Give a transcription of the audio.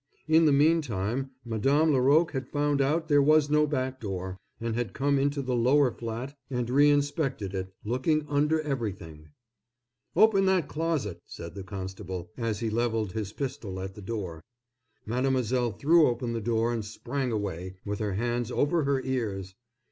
In the mean time Madame Laroque had found out that there was no back door, and had come into the lower flat and reinspected it, looking under everything. "Open that closet!" said the constable, as he levelled his pistol at the door. Mademoiselle threw open the door and sprang away, with her hands over her ears.